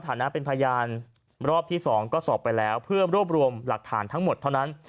ฐานะเป็นพยานรอบที่๒ก็สอบไปแล้วเพื่อรวบรวมหลักฐานทั้งหมดเท่านั้น